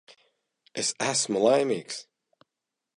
Es esmu laimīgs.